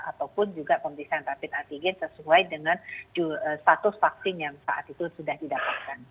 ataupun juga pemeriksaan rapid antigen sesuai dengan status vaksin yang saat itu sudah didapatkan